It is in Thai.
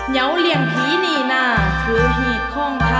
เยี่ยมมาก